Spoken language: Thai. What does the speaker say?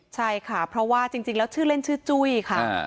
ใช่ค่ะเพราะว่าจริงแล้วชื่อเล่นชื่อจุ้ยค่ะ